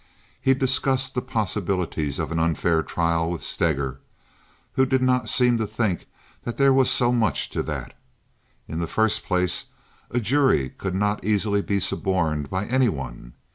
He discussed the possibilities of an unfair trial with Steger, who did not seem to think that there was so much to that. In the first place, a jury could not easily be suborned by any one.